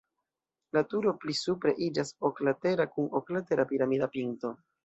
La turo pli supre iĝas oklatera kun oklatera piramida pinto.